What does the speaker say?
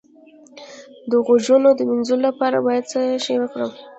د غوږونو د مینځلو لپاره باید څه شی وکاروم؟